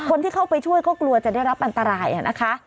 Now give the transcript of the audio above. คนที่เข้าไปช่วยก็กลัวจะได้รับอันตรายนะคะ